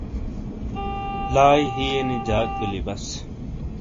لائی ہئیے نی جاک بِیلی بس ۔